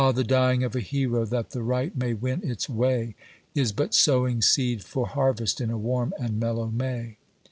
the dying of a hero, that the right may win its way, Js but sowing seed fqr Harvest in a warm and mellow May